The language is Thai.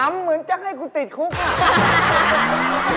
ถามเหมือนจักให้กูติดคุกค่ะ